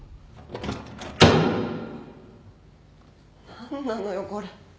何なのよこれ。